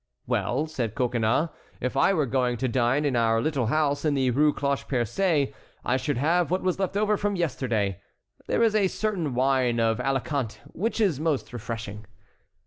"Well," said Coconnas, "if I were going to dine in our little house in the Rue Cloche Percée, I should have what was left over from yesterday. There is a certain wine of Alicante which is most refreshing."